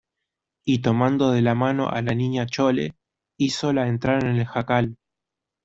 y tomando de la mano a la Niña Chole, hízola entrar en el jacal.